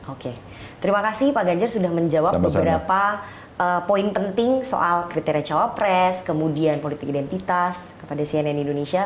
oke terima kasih pak ganjar sudah menjawab beberapa poin penting soal kriteria cawapres kemudian politik identitas kepada cnn indonesia